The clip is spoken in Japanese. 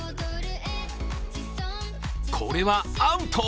これはアウト！